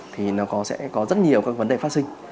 thì nó sẽ có rất nhiều các vấn đề phát sinh